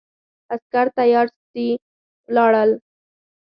عسکر تیارسي ولاړ ول.